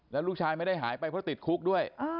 แล้วลูกชายไม่ได้หายไปเพราะติดคุกด้วย